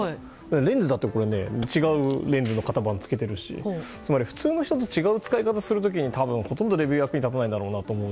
レンズだって違うレンズの型番つけてるしつまり、普通の人と違う使い方をするときにはレビューは役に立たないなと。